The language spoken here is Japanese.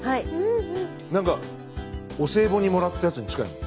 なんかお歳暮にもらったやつに近いもん。